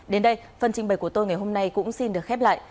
đến đây phần trình bày của tôi ngày hôm nay cũng xin được khép lại